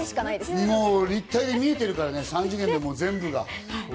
立体で見えているからね、三次元でも全部が。